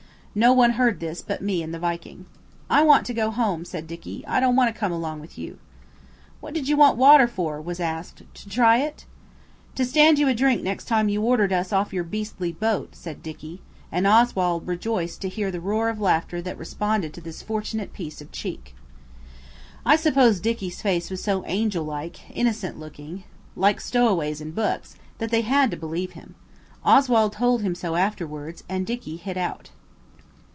No one heard this but me and the Viking. "I want to go home," said Dicky. "I don't want to come along with you." "What did you want water for?" was asked. "To try it?" "To stand you a drink next time you ordered us off your beastly boat," said Dicky. And Oswald rejoiced to hear the roar of laughter that responded to this fortunate piece of cheek. I suppose Dicky's face was so angel like, innocent looking, like stowaways in books, that they had to believe him. Oswald told him so afterwards, and Dicky hit out.